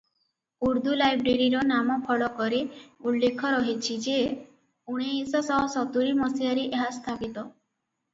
ଉର୍ଦ୍ଦୁ ଲାଇବ୍ରେରୀର ନାମଫଳକରେ ଉଲ୍ଲେଖ ରହିଛି ଯେ ଉଣେଇଶ ଶହ ସତୁରୀ ମସିହାରେ ଏହା ସ୍ଥାପିତ ।